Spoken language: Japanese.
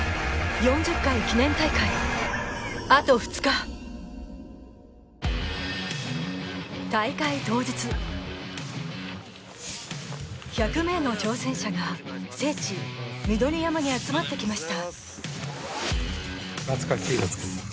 ４０回記念大会あと２日大会当日１００名の挑戦者が聖地緑山に集まってきました